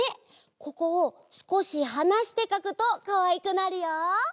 ここをすこしはなしてかくとかわいくなるよ。